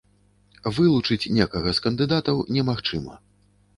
Вылучыць некага з кандыдатаў немагчыма.